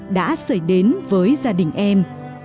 đã xảy đến với gia đình em